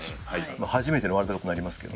初めてのワールドカップになりますけどね。